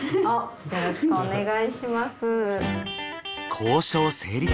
よろしくお願いします。